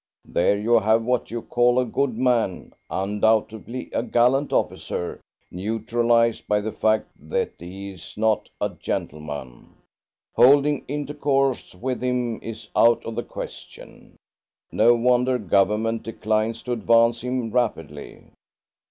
There you have what you call a good man, undoubtedly a gallant officer, neutralized by the fact that he is not a gentleman. Holding intercourse with him is out of the question. No wonder Government declines to advance him rapidly.